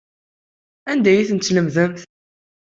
Anda ay tent-tlemdemt?